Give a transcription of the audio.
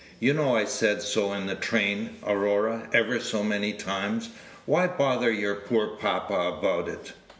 You know I said so in the train, Aurora, ever so many times. Why bother your poor papa about it?"